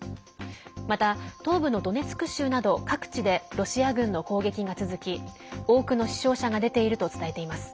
また東部のドネツク州など各地でロシア軍の攻撃が続き多くの死傷者が出ていると伝えています。